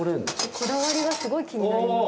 こだわりがすごい気になります。